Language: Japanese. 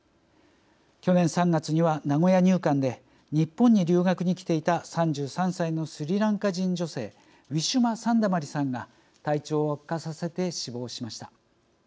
去年３月には名古屋入管で日本に留学に来ていた３３歳のスリランカ人女性ウィシュマ・サンダマリさんが体調を悪化させて死亡しました。